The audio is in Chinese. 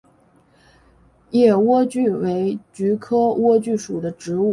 野莴苣为菊科莴苣属的植物。